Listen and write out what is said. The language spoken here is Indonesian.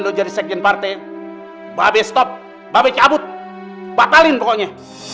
lu jadi second party babi stop babi cabut batalin pokoknya